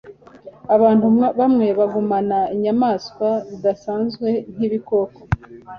abantu bamwe bagumana inyamaswa zidasanzwe nkibikoko